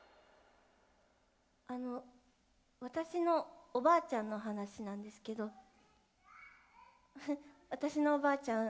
あの私のおばあちゃんの話なんですけど私のおばあちゃん